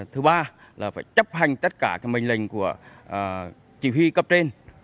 thứ ba là phải chấp hành tất cả mình lệnh của chỉ huy cấp trên